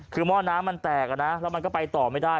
คือหม้อน้ำมันแตกนะแล้วมันก็ไปต่อไม่ได้